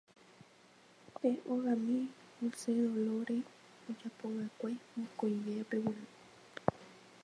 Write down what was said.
Pe ogami Hosedolóre ojapovaʼekue mokõivépe g̃uarã.